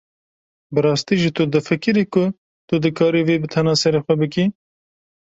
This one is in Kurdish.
Bi rastî jî tu difikirî ku tu dikarî vê bi tena serê xwe bikî?